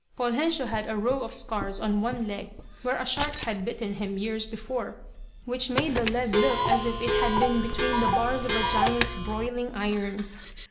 Poljensio had a row of scars on one leg, where a shark had bitten him, years before, which made the leg look as if it had been between the bars of a giant's broiling iron.